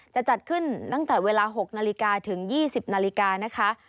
จะจัดขึ้นตั้งแต่เวลา๖นาฬิกาถึง๒๐นาฬิกานะคะ